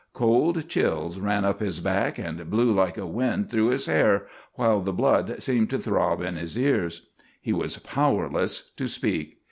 Cold chills ran up his back and blew like a wind through his hair, while the blood seemed to throb in his ears. He was powerless to speak.